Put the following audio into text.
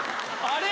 あれ？